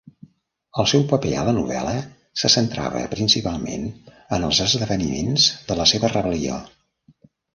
El seu paper a la novel·la se centrava principalment en els esdeveniments de la seva rebel·lió.